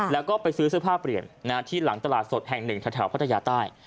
แล้วก็ไปซื้อเสื้อผ้าเปลี่ยนที่หลังตลาดสดแห่งหนึ่งแถวพัทยาใต้